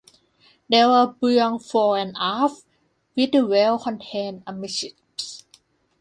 They were buoyant fore and aft, with the well contained amidships.